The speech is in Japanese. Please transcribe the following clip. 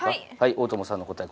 大友さんの答え